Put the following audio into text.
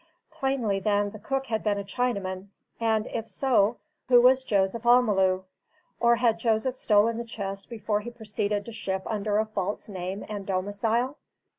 Plainly, then, the cook had been a Chinaman; and, if so, who was Jos. Amalu? Or had Jos. stolen the chest before he proceeded to ship under a false name and domicile?